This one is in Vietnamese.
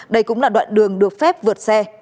đây cũng là đoạn đường được phép vượt xe